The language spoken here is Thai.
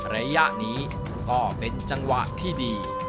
ระยะนี้ก็เป็นจังหวะที่ดี